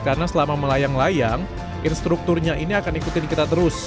karena selama melayang layang instrukturnya ini akan ikutin kita terus